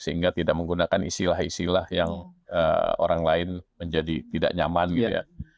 sehingga tidak menggunakan istilah istilah yang orang lain menjadi tidak nyaman gitu ya